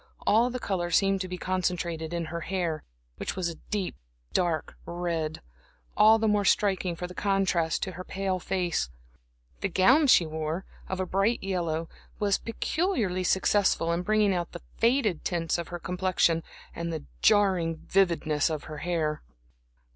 All the color seemed to be concentrated in her hair, which was a deep, dark red, all the more striking for the contrast to her pale face. The gown she wore, of a bright yellow, was peculiarly successful in bringing out the faded tints of her complexion and the jarring vividness of her hair.